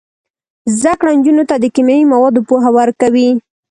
زده کړه نجونو ته د کیمیاوي موادو پوهه ورکوي.